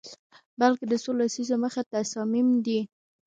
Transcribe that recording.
بلکه د څو لسیزو مخه تصامیم دي